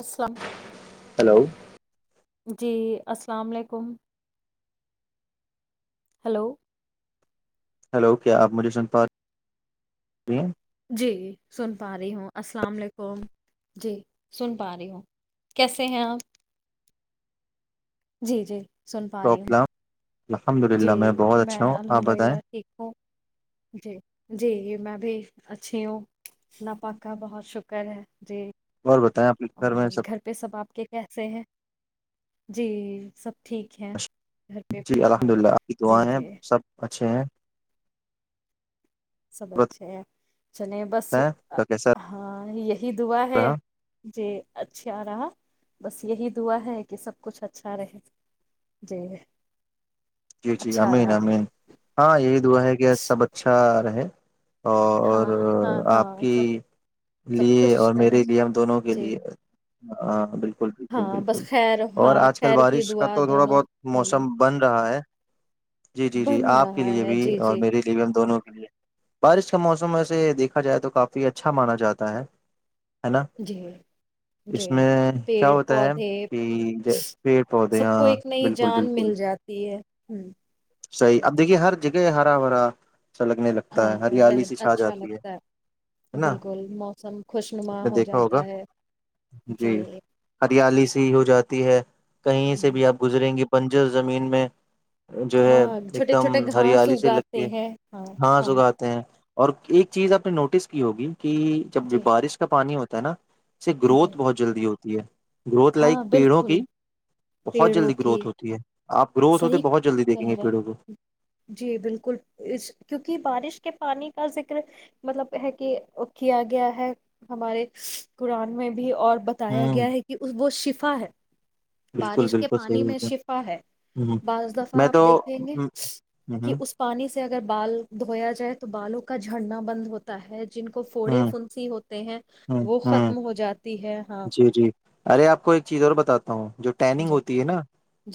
Assam hello جی السلام علیکم ہلو ہلو کیا آپ مجھے سن پار رہی ہیں جی سن پا رہی ہوں السلام علیکم جی سن پا رہی ہوں کیسے ہیں آپ جی جی سن پا رہ پرابلم الحمد للہ میں بہت اچھا ہوں آپ بتائیں للہ ٹھیک ہوں جی جی میں بھی اچھی ہوں نہ پکا اللہ پاک کا بہت شکر ہے جی اور بتائیں آپ کے اور میں گھر پہ سب آپ کے کیسے ہیں جی سب ٹھیک ہے اچھا؟ گھر پہ بھی جی ہاں الحمد للہ ابھی جی دعیں ہیں جی سب چچھ سب اچھے ہے چلیں بس بتائیں کا کیسا ہاں یہی دعا ہے رہا ج اچھا آ رہا [unintelligible] بس یہی دعا ہے کہ سب کچھ اچھا رہے جی [unintelligible] جی جی اچھا امین رہا امین ہاں یہی دعا ہے کہ سب اچھا رہ [unintelligible] ج [inaudible] اور ہاں ہاں آپ ہاں کی سب سب خوش لیے اور رہیں میرے لیے ہم دونوں کے جی لیے [unintelligible] ہاں بالکل [unintelligible] بالکل بالکل ہاں بس بالکل خیر اور ہاں آج کل خیر کی بارش کا دعا تو تھوڑا دونوں بہت کے لیے موسم بن رہا ہے [unintelligible] جی جی جی بن آپ کے رہا لیے ہے بھی جی اور جی میرے لیے بھی ہم دونوں [unintelligible] بارش کے موسم میں سے دیکھا جائے تو کافی اچھا مانا جاتا ہے [unintelligible] ہے نا جی جی اس میں کیا پیڑ ہوتا ہے پودے کہ ج پیڑ پودے سب ہاں بالکل بالکل [unintelligible] ہوں [inaudible] صحیح اب دیکھیے ہر جگہ ہرا بھرا [unintelligible] لگتا ہاں ہے ہاں رہ ہریالی سی چھا اچھا جاتی لگتا ہے ہے نا بالکل موسم خوش نما آپ نے ہو دیکھا جاتا ہوگا ہے جی [unintelligible] ہریالی ہو جاتی ہے [unintelligible] کہیں سے بھی آپ گزریں گے [unintelligible] بنجر زمین میں [unintelligible] جو ہے ہاں ایک چھوٹے دم چھوٹے گھاس ہریالی سے لگتی اگاتے ہے ہیں ہاں سگاتے ہیں [unintelligible] اور ایک چیز آپ نے نوٹس کی ہوگی [unintelligible] کہ جب جی بارش کا پانی ہوتا [unintelligible] ہے نا [inaudible] سے جی گروت بہت جلدی ہو [unintelligible] ہے [inaudible] گروتھ لائک ہاں پیڑھوں کی بالکل [unintelligible] بہت پیڑوں جلدی کی گروتھ ہوتی ہے [unintelligible] آ گروت ہو تو صحیح بہت جلدی دیک کہہ [unintelligible] پٹوکو رہے [unintelligible] جی بالکل اس کیونکہ بارش کے پانی کا ذکر مطلب ہے کہ کیا گیا ہے ہمارے قرآن میں [unintelligible] بھی اور بتایا ہوں گیا ہے کہ اس وہ شیفٹ [unintelligible] ف ہے [inaudible] بالکل بارش کے بالکل پانی صحیح میں بول شفا ہے ہ بعض دفعہ میں آپ تو دیکھیں گے ہوں [unintelligible] کہ ہوں اس پانی سے [unintelligible] سے اگر بال دھویا جائے تو بالوں کا جڑنا بند ہوتا ہے ہوں ہوں ہوں [unintelligible] [inaudible] ہے ہاں جی جی ارے آپ کو ایک چیز اور بتاتا تو جو ٹیننگ جی ہوتی ہے نا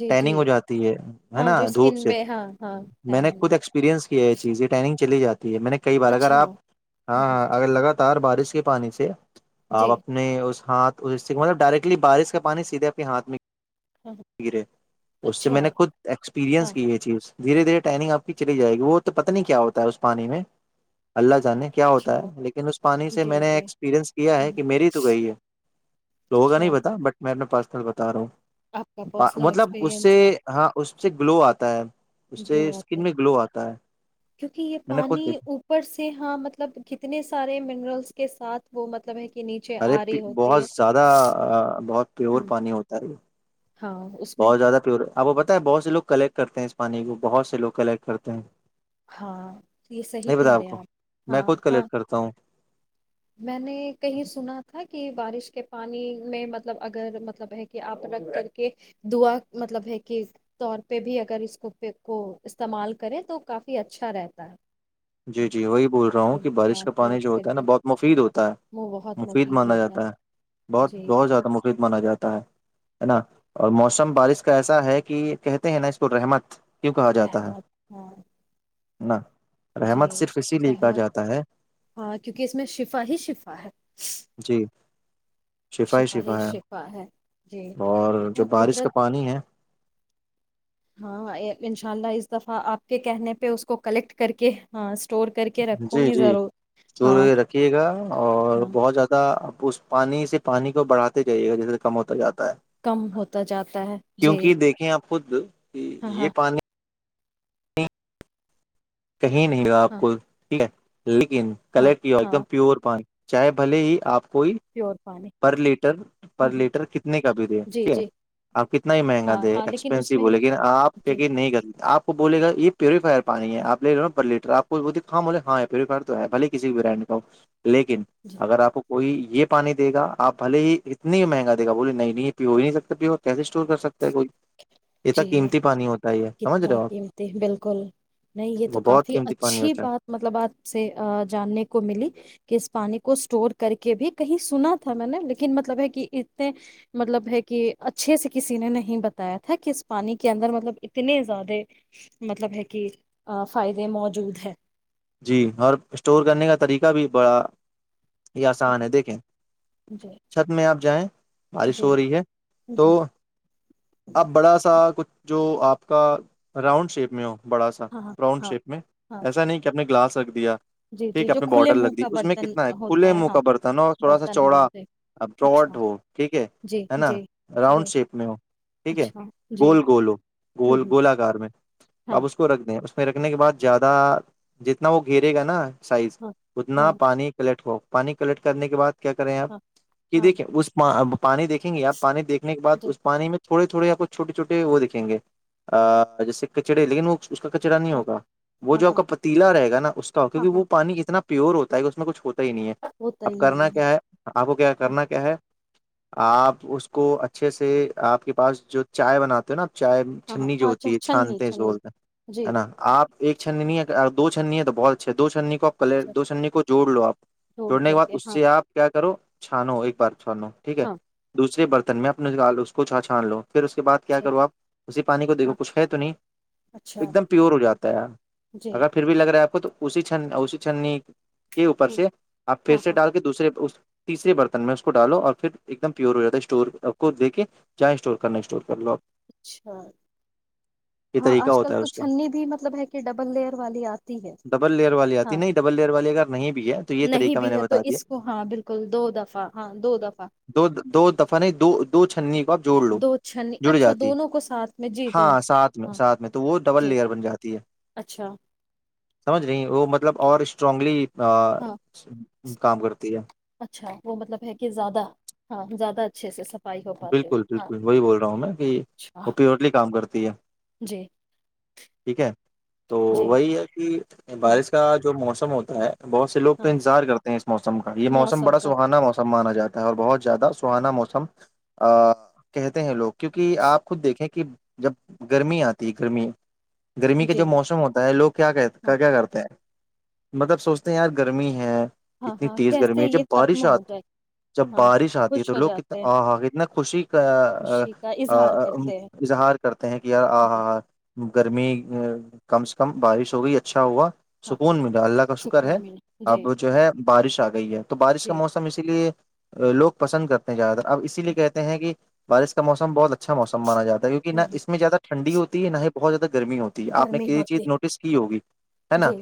جی جی ٹیننگ ہو جاتی ہے ہے ہاں نا جو اسکن دھوپ پ سے ہاں ہاں میں نے خود ایکسپیرئنس یہ چیز یہ ٹنگ چلی جاتے ٹھیک ہے میں نے کئی بار اگر اچھا آپ ہاں ہ اگر لگا تار بارش کے پانی سے آپ جی اپنے اس ہاتھ مطلب ڈائریکٹلی بارش کا پانی سیدھے اپپ کے ہاتھ میں ہاں ہاں گرے اس سے اچھا میں نے خود ہاں ایکسپیرئنس کی یہ چیز دھیرے دھیرے ٹائنگ آپ کی چلی جائے گی وہ تو پتتا نہیں کیا ہوتا ہے اس پانی میں اللہ کیا ہوتا اچھا ہے لیکن اس پانی سے جی میں نے جی ایکسپیرنس کیا ہے ہوں، کہ میری تو گئی ہے تو ہوگا نہیں اچھا پتا بٹ میر پاس کل بتا رہا ہوں آپ کا پرسنل مطلب اس سے ایکسپیرئنس رہا ہاں اس سب سے گلو آتا ہے اس گلو سے آتا اسکن ہے میں گلو آتا ہے کیونکہ یہ میں نے خود پانی دیکھا اوپر سے ہاں مطلب کتنے سارے منرلس کے ساتھ وہ مطلب ہے کہ نیچے ارے آ رہی ہوتی بہت ہے زیادہ بہت پیور ہوں پانی ہوتا ہے ہاں اس میں بہت زیادہ پیور آپ کو پت ہے بہت سے لو کلیکٹ کرتے ہیں اس پانی کو بہت سے لوگ کلیکٹ کرتے ہیں ہاں یہ صحی نہیں پتا کہہ رہے کو ہیں آپ میں ہاں خود ہاں کلیکٹ کرتا ہوں میں نے کہیں سنا تھا کہ بارش کے پانی میں مطلب اگر مطلب ہے کہ آپ رکھ کر کے دعا مطلب ہے کہ طور پہ بھی اگر اس کو کو استعمال کرے تو کافی اچھا رہتا ہے جی جی وہی بول رہا ہوں جی کہ بارش ہاں کا پانی جو کلیکٹ کر ہوتا ہے نا کے بہت مفید ہوتا ہے وہ بہت مفید مانا ہوتا جاتا ہے بہت جی بہت زیادہ مفید مانا جاتا ہے ہے نا اور موسم بارش کا ایسا ہے کہ کہتے ہیں نا اس کو رحمت کیوں رہمت ہاں نہ جی رحمت ہاں کیونکہ اس میں شفا ہی شفا ہے شفائی ہی شفا ہے اور ہاں، جو قدرت بارش کا پانی ہے ہاں انشاء اللہ اس دفعہ آپ کے کہنے پہ اس کو کلیکٹ کر کے ہاں اسٹور کر کے رکھوں جی گی جی ضرور چور ہاں رکھیے گا اور ہاں بہت زیادہ اس پانی سے پانی کو بڑھا جائیےا جیسے کم ہوتا جاتا کم ہوتا جاتا ہے جی کیونکہ دیکھیں آپ خود کہ ہاں ہاں یہ پانی کہیں نہیں ہوا آپ ہاں کو ٹھیک ہے لیکن ہاں کلر کی ہو ایک ہاں دم پیور پانی چاہے بلے ہی آپ کوئی پیور پانی پر لیٹر پر ہوں ہوں، لیٹر کتنے کا بھی دے جی ٹھیک ہے جی آپ کتنا ہی مہنگا ہاں دیں ہاں لیکن اس ایکسپینسو میں بولے لیکن آپ جی نہیں کر آپ بول گا یہ پیوریفائر پانی ہے آپ لے لو لیٹر آپ کو بولے ہاں تو ہے بھ کسی بھی برانڈ کا لیکن جی اگر آپ کو کوئی یہ پانی دےا آپ بلے ہی اتنی مہنگا د گا بولے نہیں نہیں یہ پی ہی نہیں سکتا پیو کیس کر سکتا ہے کوئی یہت جی قیمتی پانی ہوتا ہے یہ سمجھ کتنا رہے ہو آپ قیمتی بالکل نہیں تو وہ بہت کافی قیمتی پانی اچھی ہوتا ہے بات مطلب آپ سے جاننے کو ملی کہ اس پانی کو اسٹور کر کے بھی کہیں سنا تھا میں نے لیکن مطلب ہے کہ اتنے مطلب ہے کہ اچھے سے کسی نے نہیں بتایا تھا کہ اس پانی کے اندر مطلب تنے زیاد مطلب ہے کہ ا فائد موجوود ہے جی اور اسٹور کرنے کا طریقہ بھی بڑا یہ آسان ہے دیکھیں جی چھت میں آپ جائیں بارش جی ہو رہی ہے ہوں، تو ہوں. اب بڑا سا کچھ جو آپ کا راؤنڈ شیپ میں ہو بڑا سا ہاں راؤنڈ ہاں شیپ میں ہاں ایسا نہیں گلا سکتی ہے جی ٹھیک جی ہے جو اپنے کھلے بارڈر منہ لکھ دی کا اس میں برتن کتنا ہے کھلے ہوتا منہ کا ہاں برتن ہو تھوڑا سا برتن چوڑا ہونا چاہیے اچھا باٹ ہو ٹھیک جی ہے نا جی جی راؤنڈ شیپ میں ہو ٹھیک ہے اچھا جی گول گول ہو ہوں گول ہوں گولہ گار میں ہاں آپ اس کو رکھ دیں پھرکنے کے بعد زیادہ جتنا وہ گھیرے گا نا سائز ہاں ہاں اتنا پانی کلیٹ ہو پانی کلیکٹ کرنے کے بعد کیا کریں آپ ہاں کہ ہاں دیکھیے اس پانی دیکیں گے آپ پانی دیکنے کے بد جی اس پانی میں تھوڑے تھوڑے آپ کو چھوٹے چھوٹے وہ دکھیں گے جیسے کچڑے لیکن وہ اس کا کچرا نہیں ہاں ہوگا وہ ہاں جو آپ ہاں کا پ پیلا رہے گ نا اس کا ہاں کیونکہ ہاں وہ پانی کتنا پیور ہوتا ہے اس میں کچ ہوتا ہی نہیں ہے ہوتا ہی اب کرنا نہیں کیا ہے آپ کو کیا ہاں کرنا کیا ہے آپ اس کو اچھے سے آپ کے پاس جو چائے بناتے ہو نا چائے ہاں ہاں چھننی جو ہاں اچھا ہوتی ہے چھننی چھانتے ہیں س چھننی بولتے جی ہے نا آپ ایک چھننی اور دو چھننی تو بہت اچھے دو چھننی کی کلر اچھا دو سنی کو جوڑ لو آپ جوڑ جوڑنے کے کر بع اس ہاں سے آپ کیا کرو چھان ہو ایک بار و ٹھیک ہے ہاں دوسری بر ت میں اپنے سےالو اس کو چا چھان لو پھر اس کے بعد کیا اچھا کرو آپ اسی پانی کو دیکھو ہاں کچھ ہے تو نہیں اچھا ایک دم پیور ہو جاتا ہے یار جی اگر پھر بھی لگا آپ کو تو اسی چ اسی چنی کے اوپر ہ سے آپ پھر ہاں سے ہاں ڈال کے دوسرے تیسرے برتن میں اس کو ڈالو اور پھر ایک دم پیور ہو جاتا ہے اسٹور کو دے کے جائیں اسٹور کرنا اسٹور کر لو آپ اچھا یہ ہاں طریقہ آج کل ہوتا ہے تو اس کا چھنی بھی مطلب ہے کہ ڈ ڈبل لیئر والی آتی ہاں نہیں ڈبل لیئر والی اگر نہیں بھی ہے تو یہ نہیں طریقہ میں بھی نے ہے تو بتا دیا اس کو ہاں بالکل دو دفعہ ہاں دو دفعہ دو دو دفعہ نہیں دو دو چھنی جوڑ لو دو چھنی جڑ اچھا جاتی دونوں کو ساتھ میں جی جی ہاں ساتھ میں ہاں ساتھ میں تو وہ ڈبل جی لیئر بن جاتی ہے اچھا سمجھ رہی وہ مطلب اور اسٹرانگلی ہاں کام کرتی ہے اچھا وہ مطلب ہے کہ زیادہ ہاں زیادہ اچھ سے سب بالکل بالکل وہی بول رہا ہوں میں کہ وہ اچھا پیورلی کام کرتی ہے جی ٹھیک ہے تو جی وہی ہے کہ ہم، بارش کا جو موسم م ہوتا ہے بہت سے لوگ تو ہاں انتظار کرتے ہیں اس موسم کا یہ موس موسم با کا سہانا موسم مانا جاتا ہے اور بہت زیادہ سہانا موسم ا کہتے ہیں لوگ کیونکہ آپ خود دیکھیں کہ جب گرمی آتی ہے گرمی گرمی کا جو جی موسم ہوتا ہے لوگ کیا کہ ہاں کیا کرتے ہیں مطلب سوچتے ہیں یار گرمی ہے ہاں اتنی ہاں تیز گرمی کیسے ہے جب یہ ختم بارش آ ہو جائے جب ہاں بارش آتی ہے خوش تو ہو لوگ کتنا جاتے ہیں آہ خوشی کا خوشی کا اظہار کرتے ہیں اظہار کرتے ہیں کہ یار آ جی ہ ہ گرمی کم سے کم بارش ہو گئی اچھا ہوا ہاں ہاں سکون ملا اللہ کا شکر ہے سکون ملا جی اب جو ہے بارش آ گئی ہے تو بارش کا جی موسم اسی لیے لوگ پسند کرتے ہیں زیادتر اب اسی لیے ہم، کہتے ہیں کہ بارش کا موس بہت اچھا موسم مانا جاتا کہ نا ہم، اس میں زیادہ ٹنڈ ہوتی ہے ناہی بہت زیادہ گرمی ہوتی آپ نے گرمی کسی چیز ہوتی نوٹس کی ہوگی ہے نا جی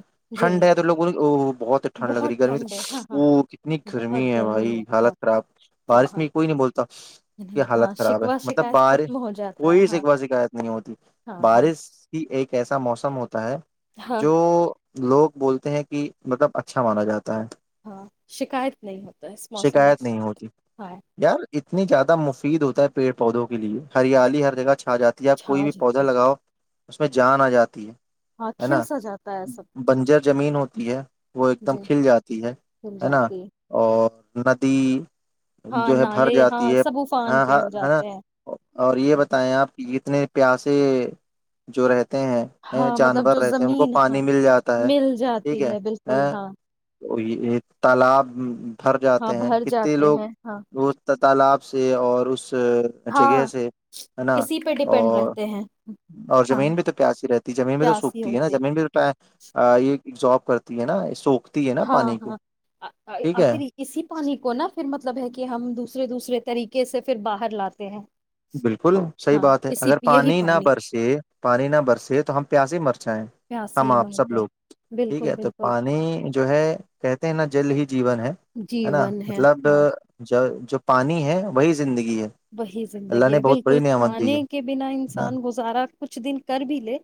جی ٹھنڈ ہے تو لوگوں بہت ٹھنڈ لگ رہی گرمی ٹھنڈ ہے ہاں ہاں وہ کتنی گرمی ہے بھائی حالت خراب ہاں بارش ہاں میں کوئی نہیں بولتا کہ نہیں، ہاں حالت خراب ہے شکوہ مطلب شکایت بارش ختم ہو جاتا ہے کوئی ہاں شکوا شکایت نہیں ہوتی ہاں ہاں بارش ایک ایسا موسم ہوتا ہے ہاں جو لوگ بولتے ہیں کہ مطلب اچھا مانا جاتا ہے ہاں شکایت نہیں ہوتا اس موسم شکایت نہیں میں ہوتی ہاں یار اتنی زیادہ مفید ہوتا ہے پیڑ پودوں کے لیے ہریالی ہر جگہ چ ک جاتی ہے آپ کوئی چھا بھی پودا جاتا لگاؤ اس میں جان آ جاتی ہے ہاں ہے کھل نا سا جاتا ہے سب بنجر زمین ہوتی ہے وہ ایک دم جی کھل جاتی ہے کھل ہے نا جاتی اور ندی ہاں جو ہے ہر نالے ہاں جاتی ہے سب افان ہاں پہ ہ ہو ہے نا جاتے ہیں اور یہ بتائیں آپ کی کتنے پیاسے جو رہتے ہیں ہاں مطلب جانور جو رہتے ہیں ان کو زمین ہاں پانی مل جاتا ہے مل ٹھیک جاتی ہے بالکل ا ہاں تالاب بھر ہاں جاتے ہیں بھر کتنے جاتے لوگ ہیں ہاں بت تالاب سے اور اس [unintelligible] جگہ ہاں سے ہے نا اسی پہ ڈپینڈ اور رہتے ہیں اور ہاں زمین بھی تو پیاسی رہتی زمین بھی تو پیاسی سوکھتی ہے نا ہوتے زمین بھی تو یہز کرتی ہے نا سو ہاں ہاں ہے آخر اسی پانی کو نہا پھر مطلب ہے کہ ہم دوسرے دوسرے طریقے سے پھر باہر لاتے ہیں بالکل صحیح ہاں بات ہے اسی اگر یہی پانی نہ برسے پانی نہ برسے تو ہم پیاس ہی مرج اچھا پیاسی ہم آپ مر سب گیا لوگ ٹھیک بالکل ہے تو بالکل پانی جو ہے کہتے ہیں نا جل ہی جیون ہے ہے نا جیون مطلب ہاں جو جو پانی ہے وہی زندگی [unintelligible] وہی اللہ زندگی نے ہے بہت بڑی بالکل نعمت دی ہے کھانے کے بنا نا انسان گزارا کچھ دن کر بھی لے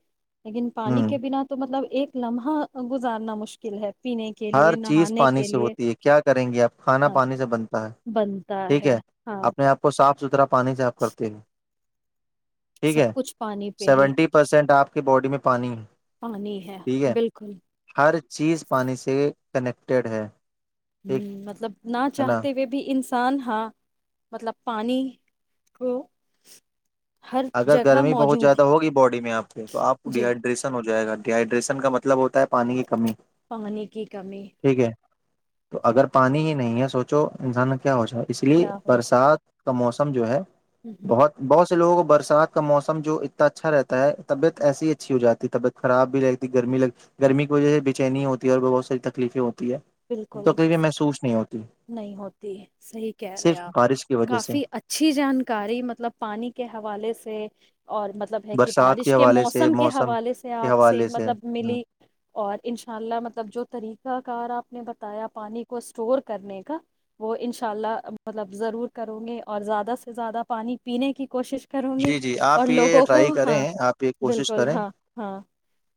لیکن ہ پانی کے بنا تو مطلب ایک لمحہ گزارنا مشکل ہے پینے کے ہر لیے چیز نہانے پانی کے سے لیے ہوتی ہے کیا کریں گے آپ کھانا ہاں پانی سے بنتا ہے بنتا ٹھیک ہے ہاں اپنے آپ کو صاف ج طر پانی جاپ کرتے ہیں ٹھیک سب ہے کچھ پانی پہ ہی سیونٹی پرسینٹ آپ کی باڈی میں پانی ہے پانی ٹھیک ہے بالکل ہر چیز پانی سے کنیکٹیڈ ہے ٹھیک ہ مطلب نہ ہے نا چاہتے ہوئے بھی ان نقسان ہاں مطلب پانی کو ہر اگر جگہ گرمی بہت موجود زیادہ ہوگی باڈی میں آپ سے تو آپ کو ہے جی ڈییہائڈریشن ہو جائے گا ہائڈریشن کا مطلب ہوتا ہے پانی کی کمی پانی کی کمی ٹھیک ہے تو جی اگر پانی ہی نہیں ہے سوچو انسان ہو جائے اس لیے کیا ہو برسات کا موسم جو ہے ہ ہ بہت بہت س لگ بر رات کا موسم جو اتنا اچھا رہتا ہے طبیعت ایسی ہی اچھی ہو جاتی ہے طبعت خراب بھی رہگتی گرمیگ گرمی کی وجہ سے بےچینی ہوتی ہے اور بہت ساری تکلیفیں ہوتی ہے بالکل تکلیفیں محسوس نہیں ہوتی نہیں ہوتی صحیح کہہ رہے صرف آپ بارش کی وجہ سے کافی اچھی جانکاری مطلب پانی کے حوالے سے اور مطلب ہے کہ برسات بارش کے حوالے سے موسم کے حوالے سے کے آپ سے حوالے مطلب ملی اور ان شاء اللہ مطلب جو طریقہ کار آپ نے بتایا پانی کو اسٹور کرنے کا وہ انشاء اللہ مطلب ضرور کرو گے اور زیادہ سے زیادہ پانی پینے کی کوشش کروں گی جی جی اور آپ یہ لوگوں کو ٹرائی کریں ہاں آپ یہ کوشش بالکل کریں ہاں ہاں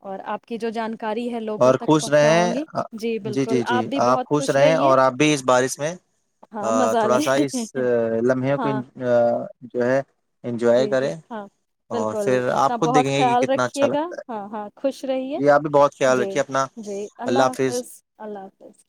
اور آپ کی جو جانک کاری ہے لوگوں اور تک خوش پہنچاؤ رہیں گے جی بالکل جی جی بھی آپ بہت خوش رہیں رہیے اور آپ بھی اس بارش میں ہاں مزہ تھوڑا لیں سا اس لمحے کو ہاں جو ہے انجوائے جی جی کریں ہاں اور بالکل پھر اپنا آپ خود بہت دیکھیں گے کہ خیال کتنا اچھا رکھیے گا لگتا ہے ہاں ہاں خوش رہیے جی آپ بھی بہت خیال جی رکھیے اپنا اللہ حافظ بس